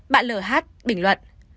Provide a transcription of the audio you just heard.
bạn l h bình luận